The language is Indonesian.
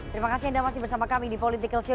terima kasih anda masih bersama kami di politikalshow